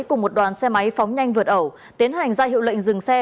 cùng một đoàn xe máy phóng nhanh vượt ẩu tiến hành ra hiệu lệnh dừng xe